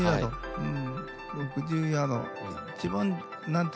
うん。